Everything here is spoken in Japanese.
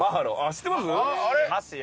知ってますよ。